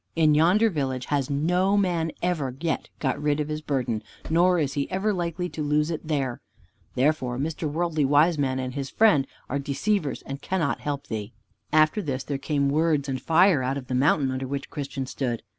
In yonder village has no man ever yet got rid of his burden, nor is he ever likely to lose it there. Therefore, Mr. Worldly Wiseman and his friend are deceivers, and cannot help thee." After this there came words and fire out of the mountain under which Christian stood.